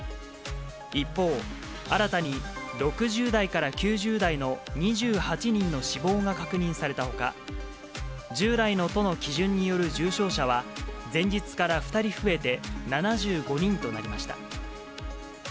一方、新たに６０代から９０代の２８人の死亡が確認されたほか、従来の都の基準による重症者は、前日から２人増えて７５人となりました。